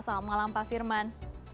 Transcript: selamat malam pak firman